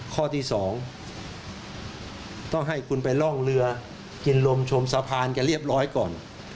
ข้อที่๒ต้องให้คุณไปร่องเรือกินลมชมสะพานกันเรียบร้อยก่อน